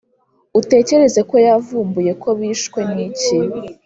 utekereza ko yavumbuye ko bishwe n’iki’